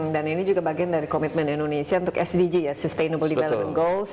dan ini juga bagian dari komitmen indonesia untuk sdg ya sustainable development goals